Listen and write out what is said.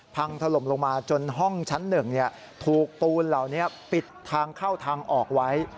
พังถล่มลงมาจนห้องชั้น๑ถูกปูนเหล่านี้ปิดทางเข้าทางออกไว้